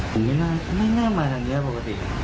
ผมไม่น่ามาทางนี้ปกติ